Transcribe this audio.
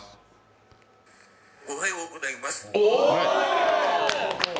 おはようございます。